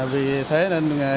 vì thế nên